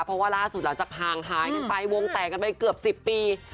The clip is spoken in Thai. เพราะว่าล่าสุดหลังจากห่างหายกันไปวงแตกกันไปเกือบ๑๐ปี